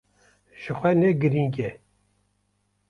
Jixwe ne girîng e.